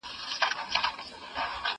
د ها بل يوه لكۍ وه سل سرونه